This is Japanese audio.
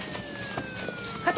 課長！